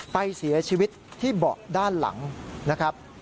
ไปเสียชีวิตที่เบาะด้านหลังนะครับ